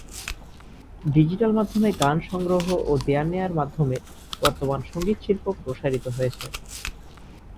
Digital মাধ্যমে গান সংগ্রহ ও দেয়া-নেয়ার মাধ্যমে বর্তমান সঙ্গীত শিল্প প্রসারিত হয়েছে।